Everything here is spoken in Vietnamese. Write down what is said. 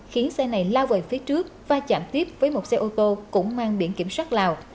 khiến xe này lao về phía trước và chạm tiếp với một xe ô tô cũng mang biển kiểm soát lào